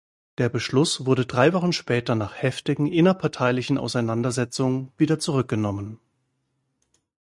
Der Beschluss wurde drei Wochen später nach heftigen innerparteilichen Auseinandersetzungen wieder zurückgenommen.